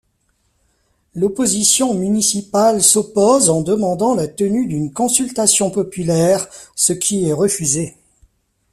L'opposition municipale s'oppose en demandant la tenue d'une consultation populaire, ce qui est refusé.